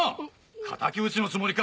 敵討ちのつもりか！